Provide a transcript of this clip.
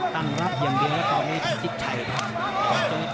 ตั้งรับอย่างเดียว